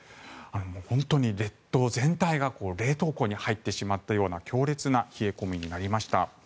本当に列島全体が冷凍庫に入ってしまったような強烈な冷え込みになりました。